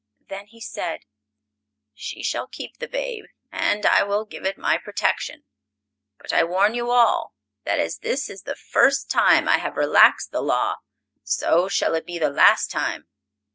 Then he said: "She shall keep the babe, and I will give it my protection. But I warn you all that as this is the first time I have relaxed the Law, so shall it be the last time.